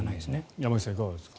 山口さん、いかがですか。